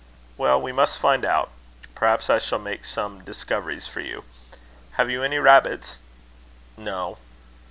"Well, we must find out. Perhaps I shall make some discoveries for you. Have you any rabbits?" "No."